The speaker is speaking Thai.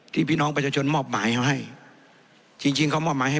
พี่น้องประชาชนมอบหมายเขาให้จริงจริงเขามอบหมายให้